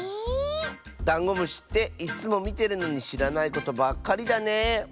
ダンゴムシっていっつもみてるのにしらないことばっかりだねえ。